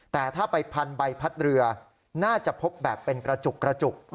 แต่ถ้าไปพันใบพัดเรือน่าจะพบแบบเป็นกระจุกกระจุก